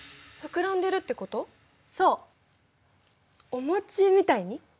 お餅みたいに？